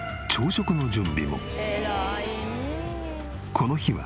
この日は。